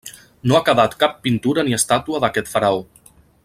No ha quedat cap pintura ni estàtua d'aquest faraó.